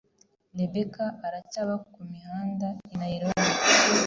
rebecca aracyaba ku mihanda i nairobi